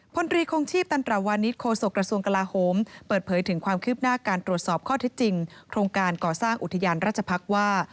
พลตรีคงชีพตันตรวานิสโคศกระทรวงกลาโฮมเปิดเผยถึงความคืบหน้าการตรวจสอบข้อที่จริงโครงการก่อสร้างอุทยานราชพักษ์ว่า